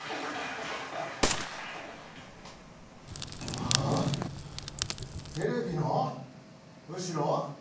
あっテレビの後ろ？